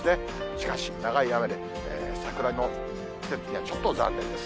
しかし、長い雨で、桜の季節にはちょっと残念です。